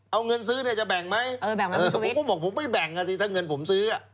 เอาเงินซื้อจะแบ่งไหมผมก็บอกว่าผมไม่แบ่งถ้าเงินผมซื้อ